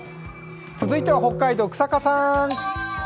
続いては北海道、日下さん。